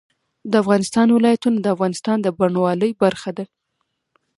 د افغانستان ولايتونه د افغانستان د بڼوالۍ برخه ده.